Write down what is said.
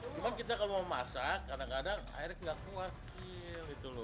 cuma kita kalau mau masak kadang kadang airnya tidak keluar